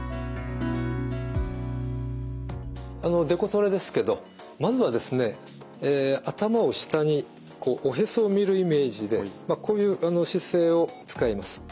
デコトレですけどまずはですね頭を下にこうおへそを見るイメージでこういう姿勢を使います。